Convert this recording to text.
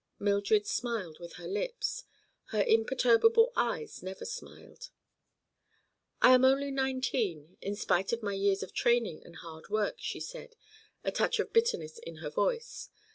Mildred smiled with her lips. Her imperturbable eyes never smiled. "I am only nineteen, in spite of my years of training and hard work," she said, a touch of bitterness in her voice.